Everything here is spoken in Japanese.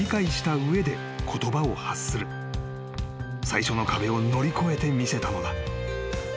［最初の壁を乗り越えてみせたのだ］